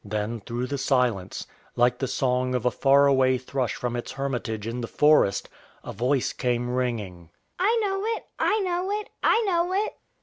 Then through the silence, like the song of a far away thrush from its hermitage in the forest, a voice came ringing: "I know it, I know it, I know it."